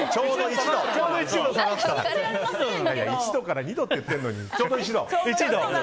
１度から２度って言ってるのにちょうど１度。